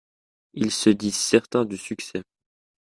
Ils se disent certains du succès.